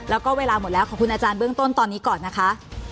แล้วก็เวลาหมดแล้วขอบคุณอาจารย์เบื้องต้นตอนนี้ก่อนนะคะ